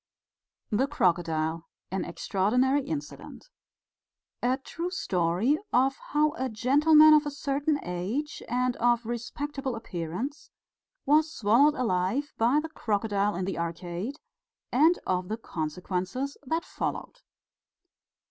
THE CROCODILE AN EXTRAORDINARY INCIDENT _A true story of how a gentleman of a certain age and of respectable appearance was swallowed alive by the crocodile in the Arcade, and of the consequences that followed.